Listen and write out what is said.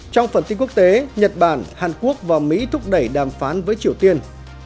trong phần tin quốc tế nhật bản hàn quốc và mỹ thúc đẩy đàm phán với triều tiên